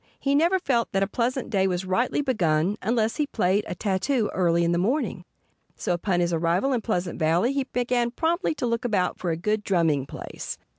He never felt that a pleasant day was rightly begun unless he played a tattoo early in the morning. So upon his arrival in Pleasant Valley he began promptly to look about for a good drumming place.